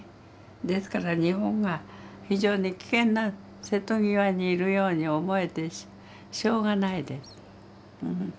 ですから日本が非常に危険な瀬戸際にいるように思えてしょうがないです。